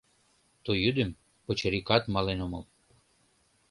— Ту йӱдым пычырикат мален омыл...